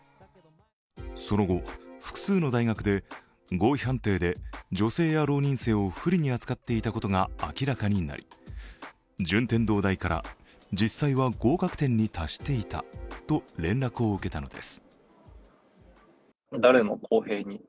その後、複数の大学で合否判定で女性や浪人生を不利に扱っていたことが明らかになり、順天堂大から、実際は合格点に達していたと連絡を受けたのです。